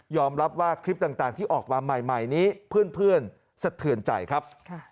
รับว่าคลิปต่างที่ออกมาใหม่นี้เพื่อนสะเทือนใจครับ